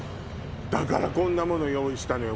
だからこんなもの用意したのよ